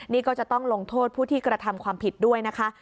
นี่ก็จะต้องลงโทษผู้ที่กระทำความผิดด้วยนะคะ